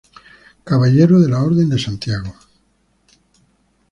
Caballero de la orden de Santiago.